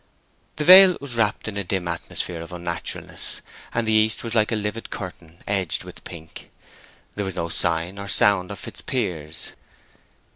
The vale was wrapped in a dim atmosphere of unnaturalness, and the east was like a livid curtain edged with pink. There was no sign nor sound of Fitzpiers.